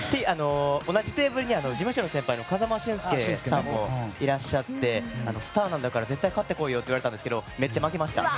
同じテーブルに事務所の先輩の風間俊介さんもいらっしゃってスターなんだから絶対に勝ってこいよって言われたんですけどめっちゃ負けました。